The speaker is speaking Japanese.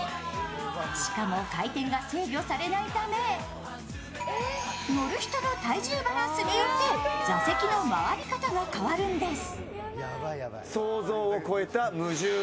しかも、回転が制御されないため乗る人の体重バランスによって座席の回り方が変わるんです。